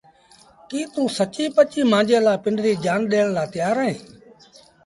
ڪيٚ توٚنٚ سچيٚݩ پچيٚݩ مآݩجي لآ پنڊريٚ جآن ڏيڻ لآ تيآر اهينٚ؟